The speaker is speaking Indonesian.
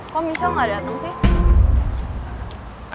kok misal gak dateng sih